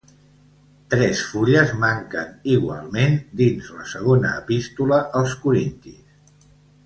Tres fulles manquen igualment dins la Segona Epístola als Corintis.